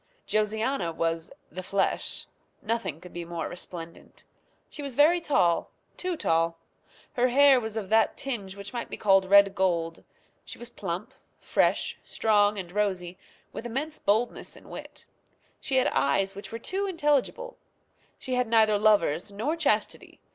Josiana was "the flesh." Nothing could be more resplendent. She was very tall too tall. Her hair was of that tinge which might be called red gold. She was plump, fresh, strong, and rosy, with immense boldness and wit. She had eyes which were too intelligible. She had neither lovers nor chastity.